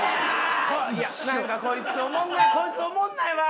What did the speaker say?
なんかこいつおもんないこいつおもんないわ！